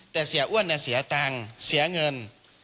แต่เสียอ้วนเสียตังค์เสียเงิน